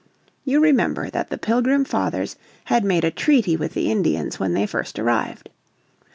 You remember that the Pilgrim Fathers had made a treaty with the Indians when they first arrived.